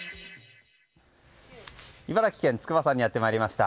茨城県筑波山にやってまいりました。